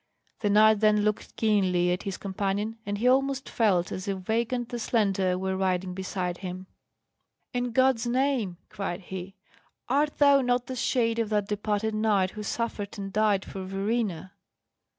The knight then looked keenly at his companion, and he almost felt as if Weigand the Slender were riding beside him. "In God's name," cried he, "art thou not the shade of that departed knight who suffered and died for Verena?"